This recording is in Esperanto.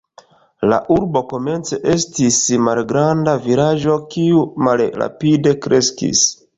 La urbo komence estis malgranda vilaĝo kiu malrapide kreskis.